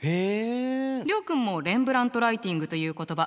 諒君もレンブラントライティングという言葉聞いたことない？